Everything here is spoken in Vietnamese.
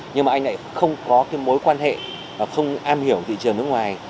nhưng mà anh lại không có mối quan hệ và không am hiểu thị trường nước ngoài